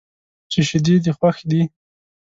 چې شیدې دې خوښ دي.